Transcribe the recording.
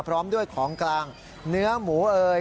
พร้อมด้วยของกลางเนื้อหมูเอ่ย